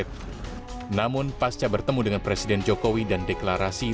tim pembela jokowi